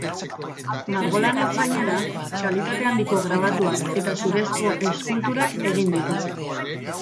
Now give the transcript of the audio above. Margolanez gainera, kalitate handiko grabatuak eta zurezko eskulturak egin ditu.